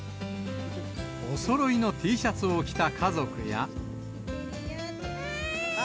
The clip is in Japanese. おそろいのＴシャツを着た家族や。